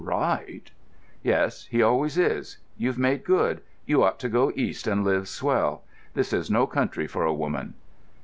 "Right?" "Yes, he always is. You've made good—you ought to go East and live swell. This is no country for a woman."